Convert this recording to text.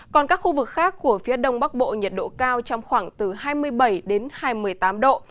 còn các khu vực khác của phía đông bắc bộ nhiệt độ cao trong khoảng từ hai mươi bảy đến hai mươi tám độ